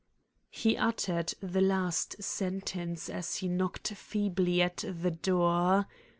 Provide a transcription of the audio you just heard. He uttered the last sentence as he knocked feebly at the door.